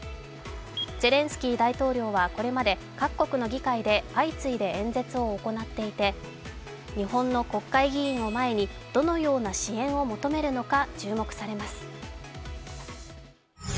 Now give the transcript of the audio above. ゼレンスキー大統領はこれまで各国の議会で相次いで演説を行っていて日本の国会議員を前にどのような支援を求めるのか注目されます。